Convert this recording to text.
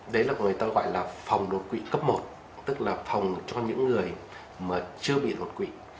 đấy là người ta gọi là phòng đột quỵ cấp một tức là phòng cho những người mà chưa bị đột quỵ